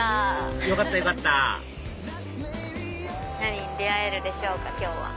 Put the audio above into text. よかったよかった何に出会えるでしょうか今日は。